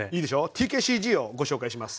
「ＴＫＣＧ」をご紹介します。